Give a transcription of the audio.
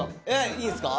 いいですか？